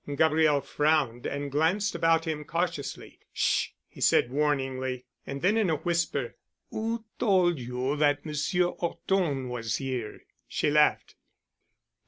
Gabriel frowned and glanced about him cautiously. "Sh——," he said warningly. And then, in a whisper, "Who told you that Monsieur 'Orton was here?" She laughed.